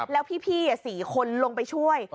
แล้วพี่๔คนลงไปช่วย